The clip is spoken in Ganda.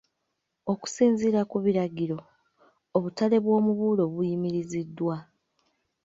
Okusinziira ku biragiro, obutale bw’omubuulo buyimiriziddwa.